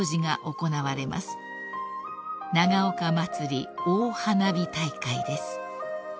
［長岡まつり大花火大会です］